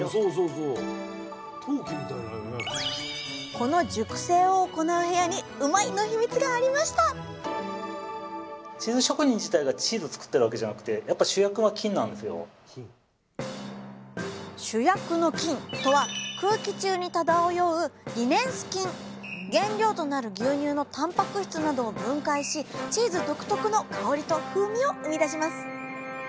この熟成を行う部屋にうまいッ！のヒミツがありました主役の菌とは空気中に漂う原料となる牛乳のたんぱく質などを分解しチーズ独特の香りと風味を生み出します。